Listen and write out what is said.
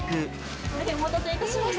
大変お待たせいたしました。